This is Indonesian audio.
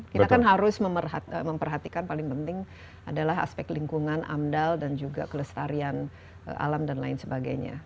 kita kan harus memperhatikan paling penting adalah aspek lingkungan amdal dan juga kelestarian alam dan lain sebagainya